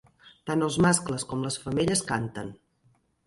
Tant els mascles com les femelles canten.